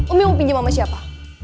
umi mau pinjam sama siapa